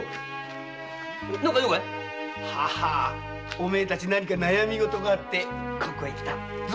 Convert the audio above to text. お前たち何か悩みがあってここへ来たな。